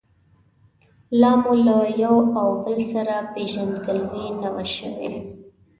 لا مو له یو او بل سره پېژندګلوي نه وه شوې.